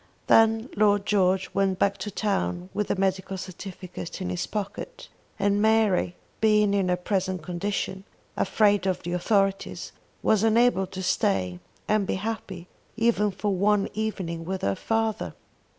Then Lord George went back to town with the medical certificate in his pocket, and Mary, being in her present condition, afraid of the authorities, was unable to stay and be happy even for one evening with her father.